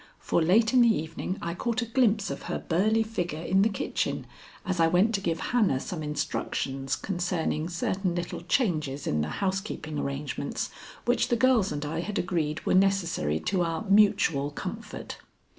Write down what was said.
For late in the evening I caught a glimpse of her burly figure in the kitchen as I went to give Hannah some instructions concerning certain little changes in the housekeeping arrangements which the girls and I had agreed were necessary to our mutual comfort.